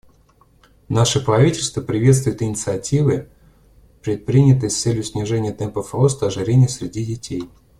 Наше правительство приветствует инициативы, предпринятые с целью снижения темпов роста ожирения среди детей.